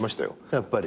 やっぱり。